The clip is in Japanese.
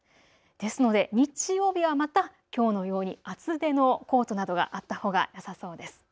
ですので日曜日はまたきょうのように厚手のコートなどがあったほうがよさそうです。